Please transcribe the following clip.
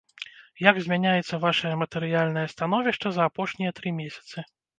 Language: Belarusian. Як змяняецца вашае матэрыяльнае становішча за апошнія тры месяцы?